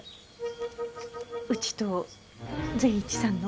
うちと善一さんの。